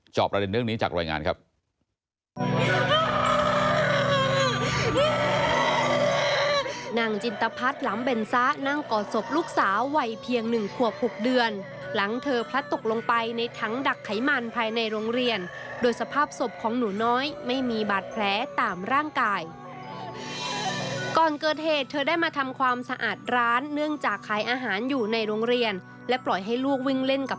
จอบประเด็นเรื่องนี้จากรายงานครับ